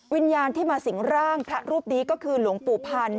วิญญาณที่มาสิงร่างพระรูปนี้ก็คือหลวงปู่พันธ์